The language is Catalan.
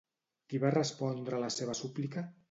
Qui va respondre a la seva súplica?